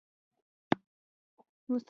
ما وچه ډوډۍ راواخیسته او په چټکۍ مې وخوړه